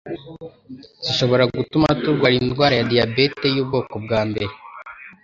zishobora gutuma turwara indwara ya diyabete y'ubwoko bwa mbere